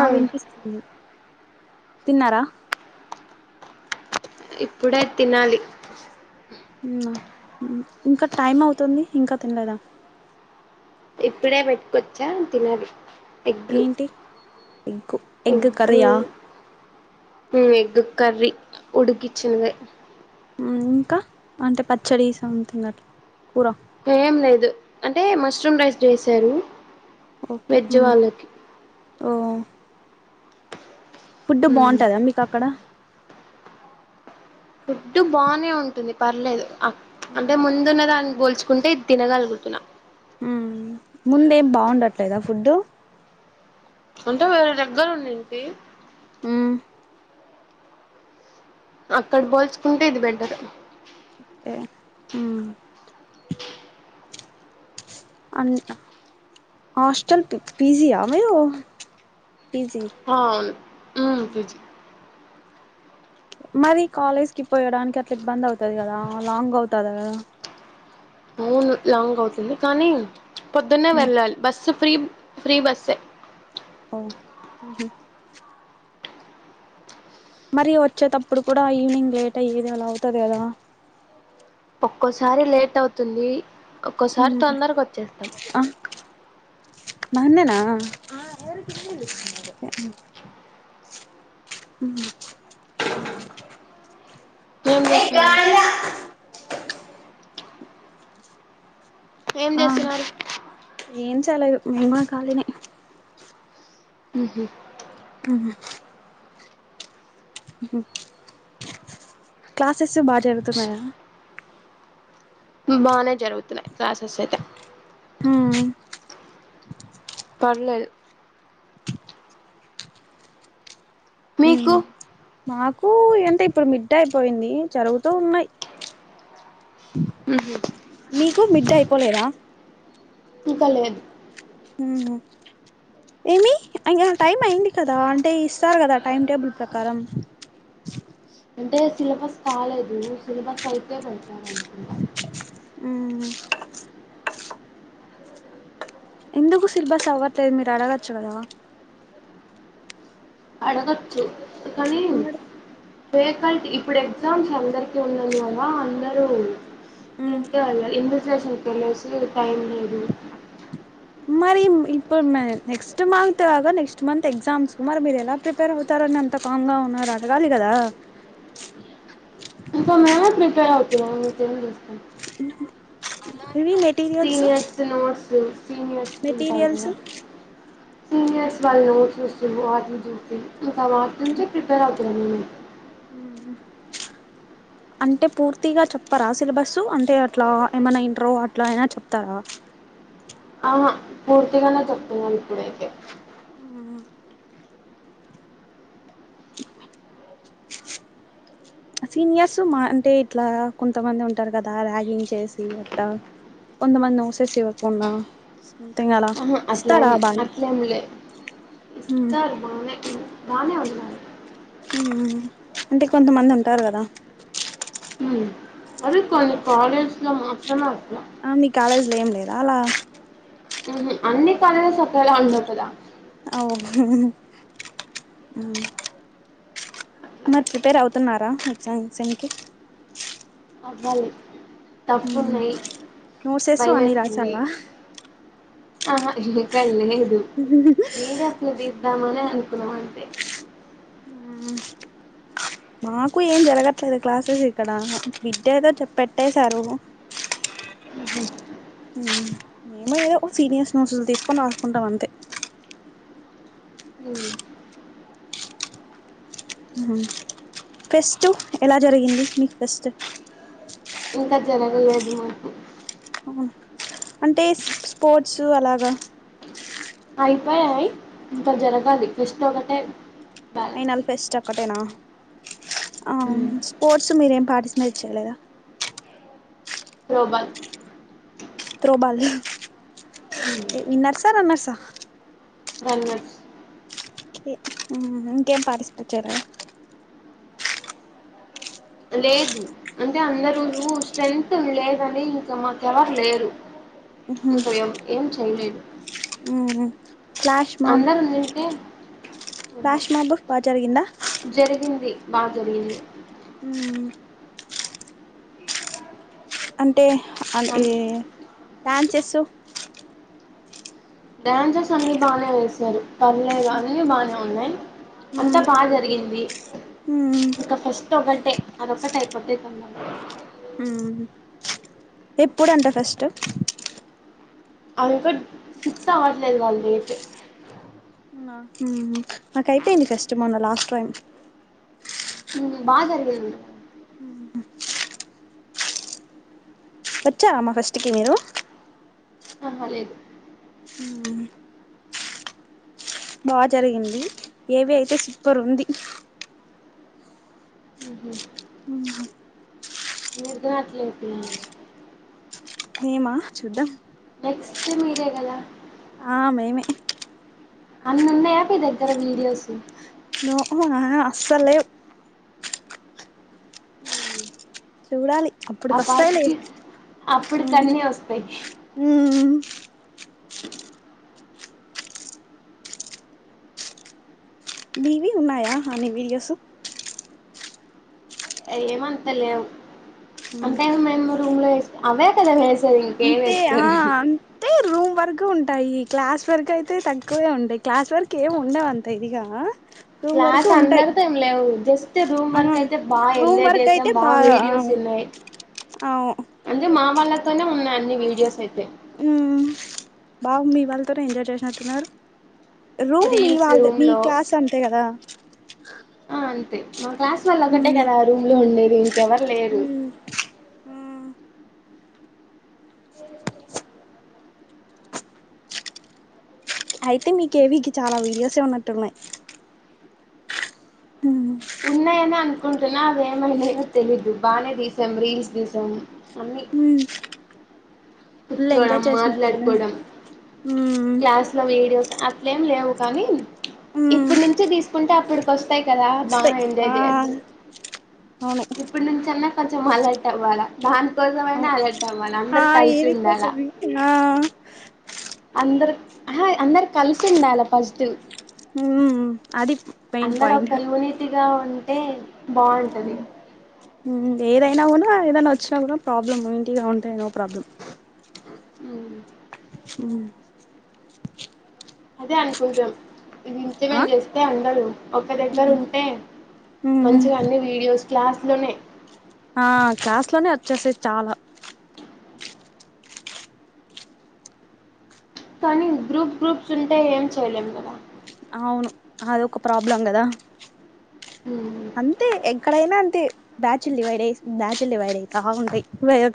ఆ వినిపిస్తుంది తిన్నారా ఇప్పుడై తినాలి ఇంకా టైమ్ అవుతుంది ఇంకా తినలేదా ఇప్పుడే పెట్టుకొచ్చా అని తినాలి ఎగ్ ఏంటి ఎగ్గు ఎగ్ ఎగ్గు్ కర్రీయా ఎగ్ కరీ ఉడుకి చినద ఇంకా అంటే పచ్చడి సంతంగ్ అట్లా కూర ఏం లేదు అంటే మష్రూమ్ రైస్ చేసారు ఓకే ఓ ఫుడ్ బాగుంటదా మీకు అక్కడ ఫుడ్ బానే ఉంటుంది పర్లేదు అంటే ముందున్న దానికి పోల్చ నుకుంటే తినగలుగుతున్నాం ముందేం బాగుండట్లేదా ఫుడ్డు అంటే వేర దగ్గర ఉండ ఇంటి ఆ అక్కడ పోల్చుకుంటే ఇది బెటర్ ఓకే హ్మ్మ్ అ హాస్టల్ ప పిజయ మీరు పీజీ అ అవును పిజి మరి కాలేజ్ కి పోయడానికి అట్లా ఇబ్బంద అవుతుది కదా లాంగ్ అవుతదా కదా అవును లాంగ్ అవుతుంది కానీ పొద్దున్నే వెళ్ళాలి బస్ స ఫ్రీ ఫ్రీ బస్ ఓహ మరి వచ్చేటప్పుడు కూడా ఈవినింగ్ లేట్ అయ్యేది వేళ అవుతది కదా ఒక్కోసారి లేట్ అవుతుంది ఒక్కోసారి మ్మ్ తొందరగా వచ్చేస్తాం మహన్ననా [inaudible] [inaudible] అ ఏ చేస్తున్నా ఏం ఆ చేస్తున్నారు ఏం చెయ్యాలే ఇంక మేము కాలినే హ్మ్మ్ ఆ [inaudible] క్లాసెస్ బాగా జరుగుతున్నాయా బానే జరుగుతున్నాయి క్లాసెస్ అయితే ఆ పర్లేదు [inaudible] మీకు మాకు ఏంటే ఇప్పుడు మిడ్డ అయిపోయింది జరుగుతూ ఉన్నాయి ఉహు [inaudible] మీకు మిడ్ అయిపోలేదా ఇంకా లేదు ఉ ఏమి అ టైం అయింది కదా అంటే ఇస్తారు కదా టైమ్ టేబుల్ ప్రకారం [inaudible] అంటే సిలబస్ కాలేదు సిలబస్ అయితే అనుకుంటా ఉ ఎందుకు సిల్బస్ అవ్వట్లేదు మీరు అడగచ్చు కదా అడగచ్చు కానీ మరి వేహకల్ట్ ఇప్పుడు ఎగ్జామ్స్ అందరికి ఉన్న కదా అందరూ మ్మ్ [unintelligible] టైం లేదు మరి ఇప్పుడు నెక్స్ట్ మంత్ గా నెక్స్ట్ మంత్ ఎగ్జామ్స్ మరి మీరు ఎలా ప్రిపేర్ అవుతారన్న ఎంత కామ్ గా ఉన్నారు అడగాలి కదా ఇకా మేమే ప్రిపేర్ అతున్నా తె మెటీరియల్స్ సీనియర్ స్కూల్ కా మెటీరియల్స్ సీనియర్స్ వాళ్ళను చూస్తూ వాటిని చూస్త ఇంకవాటి నుంచి ప్రిపేర్ అవుతున్నాను ఉ [inaudible] అంటే పూర్తిగా చెప్పరా సిలబస్సు అంటే అట్లా ఏమైనా ఇంటర్ అట్లా అయినా చెప్తారా ఆహా పూర్తిగానే చెప్తున్నాను ఇప్పుడయితే ఆ [inaudible] సీనియర్స్ మా అంటే ఇట్లా కొంతమంది ఉంటారు కదా ర్యాగింగ్ చేసి అట్ట కొంతమంది ఉసేచ్చ వకున్నా ఆహా అట్లేం అట్లేమ్లే ఇస్తరు బానే బానే ఉ అంటే కొంతమంది ఉంటారు కదా ఉమ్ అదే కొన్ని కాలేజ్ లో మాత్రమే అ ఆ మీ కాలేజ్లో ఏం లేదా అలా ఉహు అన్ని కాలేజ్ లు ఒకేలా ఉండవు కదా [inaudible] మరి ప్రిపేర్ అవుతున్నారా ఎగ్జామ్స్ కి అవ్వాలి తప్పు ఉన్నాయి నోట్సెస్ అన్ని భయమేస్తుంది రాసావా అహా ఇంకా లేదు మీర అసలు తీద్దామని అనుకున్నాం అంతే ఊమ్ మాకు ఏం జరగట్లేదు క్లాసెస్ ఇక్కడ విద్యతో పెట్టేశారు మ్ మేముయ్యో సీనియర్స్ నోట్స్ తీసుకొని రాసుకుంటాం అంతే ఫెస్ట్ ఎలా జరిగింది మీకు ఫెస్ట్ ఇంకా జరగలేదు మాకు అంటే స్పోర్ట్సు అలాగా అయిపోయాయి ఇంకా జరగాలి ఫెస్ట్ ఒకటే బ్యాలెన్స్ అయినళ్ ఫెస్ట్ ఒక్కటేనా ఆ స్పోర్ట్స్ మీరేం పార్టిసిపేట్ చేయలేదా త్రోబాల్ త్రో బాల్ విన్నర్సా రన్నర్సా రన్నర్స్ ఇ ఆ ఇంకేం పార్టిసిపెట్ చేయరా లేదు అంటే అందరు స్ట్రెంత్ లేదని ఇంక మాకెవరు లేరు ఇక ఏం ఏం చెయలేం ఉ ఫ్లాష్ మాప్ ఉండింటే ఆహా ఫ్లాష్ మాప్ బా జరిగిందా బా జరిగింది ఊ అంటే అన్ ఇ డాన్సెస్ డాన్సర్స్ అన్ని బానే వేసారు పర్లేదు అన్ని బాగనే ఉన్నాయి అంతా బాగ జరిగింది ఇంకా ఫస్ట్ ఒకటే అదొకటి అయిపోతే ఎప్పుడంట ఫెస్ట్ అన్ గుడ్ ఫిక్స్ అవ్వట్లేదు వాళ్ళు డేట్ అవునా మాకు అయిపోయింది ఫెస్ట్ మొన్న లాస్ట్ టైం ఉ బాగ జరిగింది వచ్చార మా ఫెస్ట్కి మీరు అహ లేదు బా జరిగింది ఏవి అయితే సూపర్ ఉంది మీతోనే అట్లే చెప్పినంది మేమా చూద్దాం ఇస్తే మీరే గదా ఆ మేమే అన్నీ ఉన్నయా మీ దగ్గర వీడియోస్ నో హునా అస్సలేవ్ చూడాలి ఆ అప్పుడుకి వస్తాయిలే పాటికి ఊ అప్పటికన్నీ వస్తాయి ఊమ్ కిటికీ సౌండ్ మీవి ఉన్నాయా అన్ని వీడియోస్ ఏమంత లేవు అంతే ఏ మేము రూమ్ లో వేసింది అవే కదా వేసి ఇంకేం అంతే ఆ ఇస్తారు అంతే రూమ్ వర్క్ ఉంటాయి క్లాస్ వర్క్ అయితే తక్కువే ఉంటాయి క్లాస్ వర్క్ ఏమి ఉండవు అంత ఇదిగా రూమ్ వరకు క్లాస్ ఉంటాయి అందరితో ఏం లేవు జస్ట్ రూమ్ ఆ వర్క్ అయితే బాగా రూమ్ ఎంజాయ్ చేసాం బాగా వీడియోస్ [unintelligible] అ ఉ వాళ్లతోనే ఉన్నాయి అన్ని వీడియోస్ అయితే ఉమ్ బాగు మీ వాళ్ళతోనే ఎంజాయ్ చేసినట్టున్నారు రూమ్ మీ రీల్స్ వాళ్ళ రూమ్ మీ లో క్లాస్ అంతే కదా ఆ అంతే మా క్లాస్ వళ్ళ ఉమ్ ఒకటే కదా రూమ్ లో ఉండేది ఇంకాఎవరు లేరు ఉమ్ ఉమ్ అయితే కె. వికి చాలా వీడియోస్ ఉన్నట్టు ఉన్నాయి ఉమ్ ఉన్నాయని అనుకుంటున్నా అద ఏమైనాయో తెలీదు బాగానే తీసాం రీల్స్ తీసాం అన్ని ఉమ్ ఫుల్ కూర్చోడం ఎంజాయ్ చేసినట్టున్నారు మాట్లాడుకోవడం ఉమ్ క్లాస్ లో వీడియోస్ ఆ అట్లే లేవు కానీ ఉమ్ ఇప్పుడు నుంచి తీసుకుంటే అప్పటికి వస్తాయి కదా బాగా ఎంజాయ్ చెయ్యొచ్చు అవునే ఇప్పుడు నుంచి అన్నా కొంచెం అలర్ట్ అవ్వాలా దానికోసం ఐన అవును అలర్ట్ అవ్వాలి ఆ అందరు కలిసి ఏవి ఉండాల కోసమే ఆ అందరు ఆహా అందరు కలిసి ఉండాల ఫస్ట్ ఉ ఊ అది మెయిన్ పాయింట్ గా ఉంటే బాగుంటది ఉ ఉమ్ ఏరైనావును కా ఏదైనా వచ్చినా కూడా ప్రాబ్లం ఇంటిగా ఉంటాయి నో ప్రాబ్లం ఉ ఉహ్ అదే అనుకుంటాం ఇజమెం ఆ చేస్తే అండరు ఒక దగ్గర ఉంటే ఉమ్ ఉమ్ మంచిగా అన్ని వీడియోస్ క్లాస్ లోనే ఆ క్లాస్ లోనే వచ్చేసే చాలా కానీ గ్రూప్ గ్రూప్స్ ఉంటే ఏం చెయలేం కదా అవును అదొక్క ప్రాబ్లం కదా మ్ అంతే ఎక్కడైనా అంతే బ్యాచ్ల్ డివైడ్ అ బ్యాచ్లు డివైడ్ అవుతా ఉంటాయి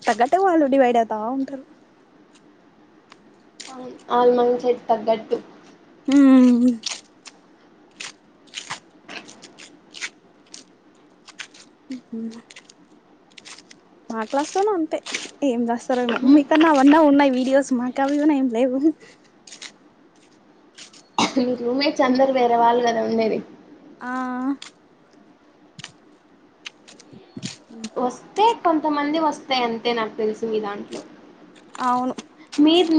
తగ్గట్టు వాళ్ళు డివైడ్ అవుతా ఉంటారు ఆ ఆన్లైన్ సెట్ తగ్గట్టు ఉమ్ ఉ మాట్లాడతాను అంతే ఏం రాస్ వస్తారేమో ఉమ్. మీ కన్నా అవన్న ఉన్నాయి వీడియోస్ మాకు అవివన్నా ఏం లేవు మీరు రూమ్మేట్స్ అందరు వేరే వాళ్ళు కదా ఉండేది ఆ వస్తే కొంతమంది వస్తాయి అంతే నాకు తెలుసు మీ దాంట్లో అవును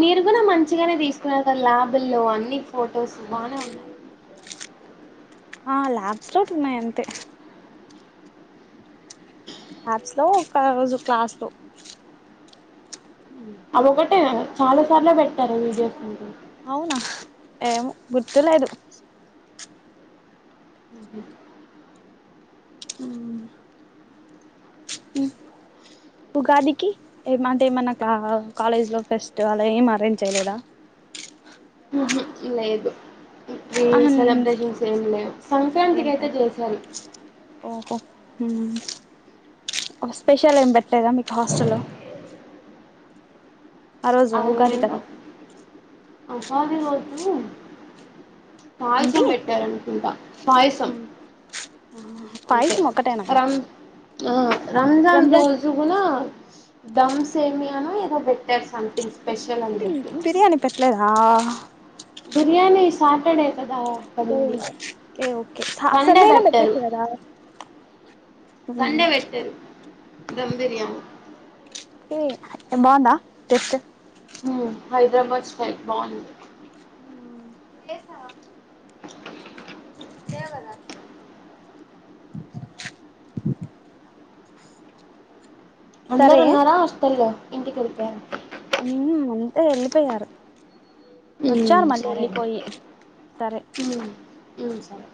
మీరు కూడా మంచిగానే తీసుకున్నారు కదా ల్యాబుల్లో అన్ని ఫొటోస్ బాగా ఉన్నాయి ఆ ల్యాబ్స్ లో ఉన్నాయి అంతే యాప్స్ లో ఒక రోజు క్లాస్ లో అ ఒకటే చాలా సార్లు పెట్టారు వీడియోస్ మీరు అవునా ఏమో గుర్తులేదు ఉగాదికి ఏమంటే ఏమన్నా కా కాలేజ్ లో ఫస్ట్ ఆలా ఎం అరేంజ్ చేయలేదా ఉహు లేదు ఇప్పుడు ఆహా సెలబ్రేషన్స్ ఏమి లేవు ఏం సంక్రాంతికి అయితే చేసారు మ్మ్ స్పెషల్ ఏం పెట్టలేదా మీకు హాస్టల్లో ఆ రోజు ఉగాది కదా ఉప్మా తిని వచ్చింది పాయసం ఏంటి పెట్టారనుకుంటా పాయసం అంతే పాయసం ఒకటేనమ్మా రం రంజాన్ రోజు కూడా దమ్ సేమను ఏదో పెటర్ సొమెథింగ్ అంటే బిర్యానీ పెట్టలేదా బిర్యానీ సాటర్డే కదా పడింది ఓకే ఓకే సండే అయినా పెట్టారు పెట్టచ్చు కదా సండే పెట్టిర్రూ దమ్ బిర్యానీ ఉమ్ బాగుందా టేస్ట్ హుం హైదరాబాద్ స్టైల్ బాగుంది మ్మ్ మీరు చేస్తారా అంతే కదా అందరు సరే ఉన్నారా హస్టల్లో ఇంటికి వెళ్ళపోయారా ఉమ్ అంత వెళ్ళిపోయారు వచ్చారు ఉమ్ మళ్ళీ వెళ్ళి సరేలే పోయి సరే ఉమ్ ఉమ్ సరే